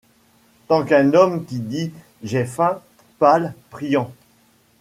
Tant qu'un homme qui dit j'ai faim ! pâle, priant